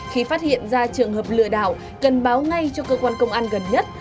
khi phát hiện ra trường hợp lừa đảo cần báo ngay cho cơ quan công an gần nhất